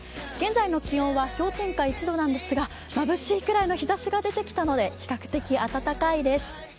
現在の気温は氷点下１度なんですがまぶしいくらいの日ざしが出てきたので比較的暖かいです。